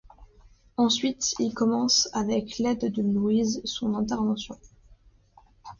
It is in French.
Ensuite, il commence, avec l'aide de Louise son intervention.